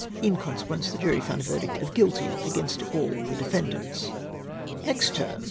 In consequence the jury found a verdict of Guilty against all the defendants." " Next term.